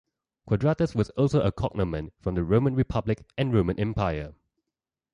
Quadratus was also a cognomen from the Roman Republic and Roman Empire.